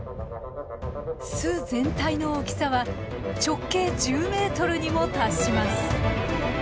巣全体の大きさは直径１０ｍにも達します。